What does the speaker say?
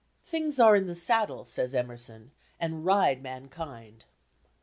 "Things are in the saddle," says Emerson, "and ride mankind."